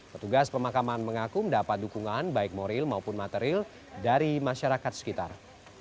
petugas pemakaman mengaku mendapat dukungan baik moral maupun material dari masyarakat sekitar